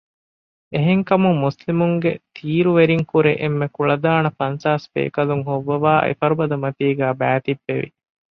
އެހެންކަމުން މުސްލިމުންގެ ތީރުވެރީންކުރެ އެންމެ ކުޅަދާނަ ފަންސާސް ބޭކަލުން ހޮއްވަވައި އެފަރުބަދަމަތީގައި ބައިތިއްބެވި